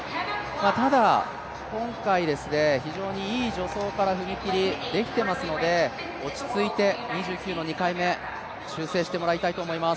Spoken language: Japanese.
ただ今回、非常にいい助走から踏み切りができていますので、落ち着いて２９の２回目、修正してもらいたいと思います。